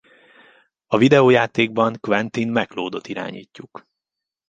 A videójátékban Quentin MacLeodot irányítjuk.